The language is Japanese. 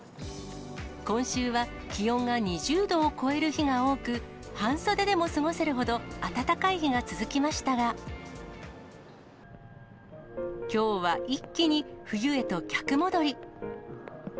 今週は、気温が２０度を超える日が多く、半袖でも過ごせるほど暖かい日が続きましたが、きょうは一気に冬へと逆戻り。